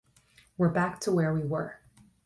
We're back to where we were.